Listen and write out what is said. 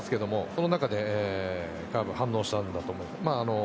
その中でカーブに反応したんだと思います。